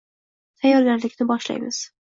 Tayorgarlikni boshlaymiz.